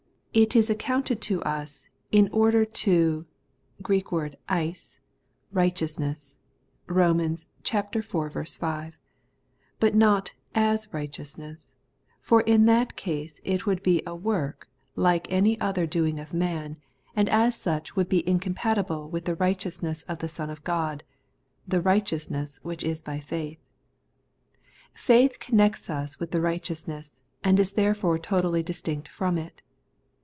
It is accounted to us in order to eh righteousness (Eom. iv. 5), but not as righteousness ; for in that case it would be a work like any other doing of man, and 108 The Everlasting Eighteousness. as such would be incompatible with the righteous ness of the Son of God ; the ' righteousness which is by faith.* Faith connects us with the righteous ness, and is therefore totally distinct from it.